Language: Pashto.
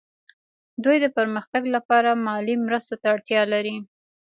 دوی د پرمختګ لپاره مالي مرستو ته اړتیا لري